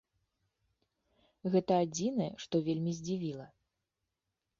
Гэта адзінае, што вельмі здзівіла.